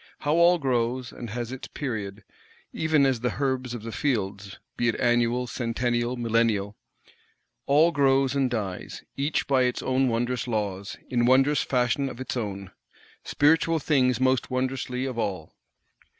How all grows, and has its period, even as the herbs of the fields, be it annual, centennial, millennial! All grows and dies, each by its own wondrous laws, in wondrous fashion of its own; spiritual things most wondrously of all.